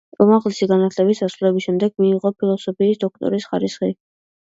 უმაღლესი განათლების დასრულების შემდეგ მიიღო ფილოსოფიის დოქტორის ხარისხი.